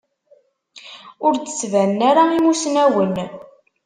Ur d-ttbanen ara imusnawen.